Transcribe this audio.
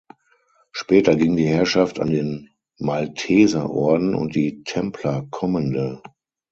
Später ging die Herrschaft an den Malteserorden und die Templerkommende.